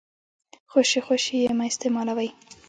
خوشې خوشې يې مه استيمالوئ.